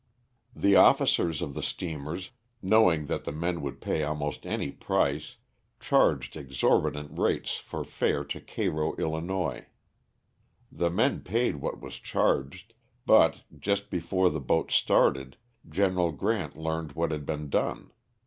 The officers of the steamers, knowing that the men would pay almost any price, charged exorbitant rates of fare to Cairo, 111. The men paid what was charged, but, just before the boats started. Gen. Grant learned what had been done.